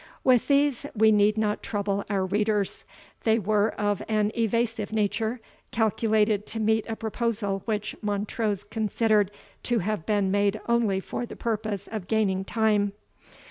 With these we need not trouble our readers. They were of an evasive nature, calculated to meet a proposal which Montrose considered to have been made only for the purpose of gaining time.